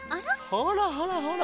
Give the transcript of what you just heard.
ほらほらほら。